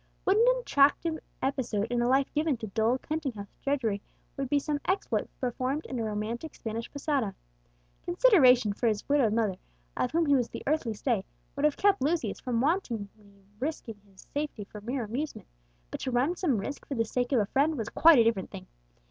What an attractive episode in a life given to dull counting house drudgery would be some exploit performed in a romantic Spanish posada! Consideration for his widowed mother, of whom he was the earthly stay, would have kept Lucius from wantonly risking his safety for mere amusement; but to run some risk for the sake of a friend was quite a different thing.